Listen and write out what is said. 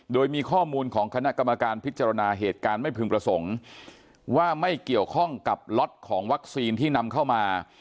โดยมีข้อมูลของคณะกรรมการพิจารณาเหตุการณ์ไม่พึงประสงค์ว่าไม่เกี่ยวข้องกับล็อตของวัคซีนที่นำเข้ามา